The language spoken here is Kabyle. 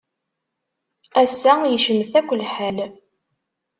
Ass-a yecmet akk lḥal.